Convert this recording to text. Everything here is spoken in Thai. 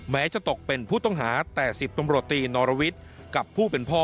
แม้จะตกเป็นผู้ต้องหาแต่สิบประโยชน์ตีนอรวิสกับผู้เป็นพ่อ